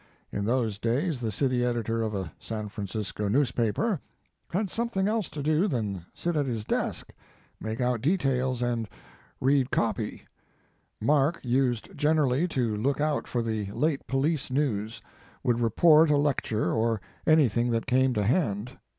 In those days the city editor of a San Francisco newspaper had something else to do than sit at his desk, make out His Life and Work. details and read copy. Mark used gen erally to look out for the late police news, would report a lecture or anything that came to hand.